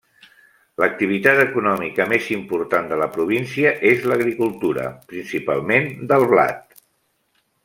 L'activitat econòmica més important de la província és l'agricultura, principalment del blat.